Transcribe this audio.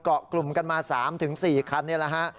เกาะกลุ่มกันมา๓๔คันนี่แหละฮะ